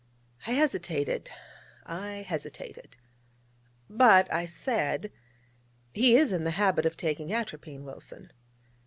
I hesitated, I hesitated. But I said: 'He is in the habit of taking atropine, Wilson.'